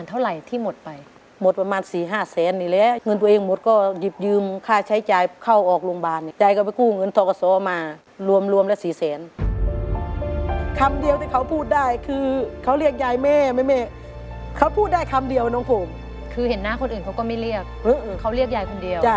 เหมือนนะคนอื่นเขาก็ไม่เรียกเขาเรียกยายคนเดียว